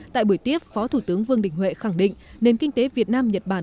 tại buổi tiếp phó thủ tướng vương đình huệ khẳng định nền kinh tế việt nam nhật bản